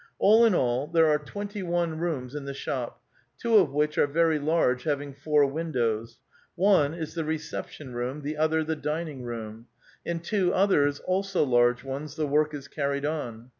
All in all, there are twenty one rooms in the shop, two of which are very large, having four windows ; one is the reception room, the other the dining room ; in two others, also large ones, the work is carried on.